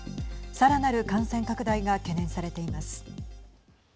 さらなる感染拡大が懸念されています。